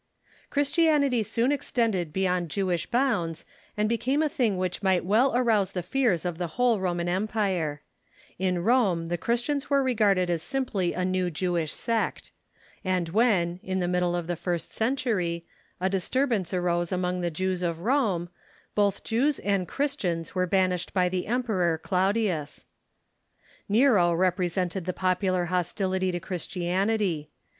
Christianity soon extended beyond Jewish bounds, and be came a thing which might well arouse the fears of the whole Roman Empire. In Rome the Christians were regarded as 2 18 THE EARLY CHURCH simply a new Jewish sect. And when, in the middle of the first century, a disturbance arose among the Jews o^"rris/ians ^^ Rome, both Jews and Christians were banished by the Emperor Claudius. Nero represented the popular hostility to Christianity.